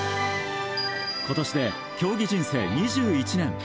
今年で競技人生２１年。